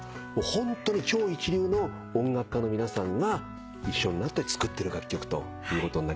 ホントに超一流の音楽家の皆さんが一緒になって作ってる楽曲ということになりますね。